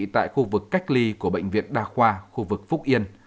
tại khu vực cách ly của bệnh viện đa khoa khu vực phúc yên